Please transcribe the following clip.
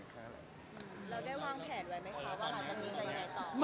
แล้วได้วางแผนไว้ไหมคะ